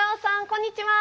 こんにちは！